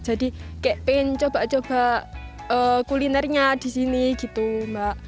jadi kayak pengen coba coba kulinernya disini gitu mbak